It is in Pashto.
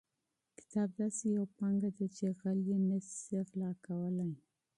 کتاب داسې یوه پانګه ده چې غل یې نشي غلا کولی.